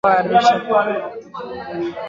Aidha baada ya kugawanywa kwa Mkoa wa Arusha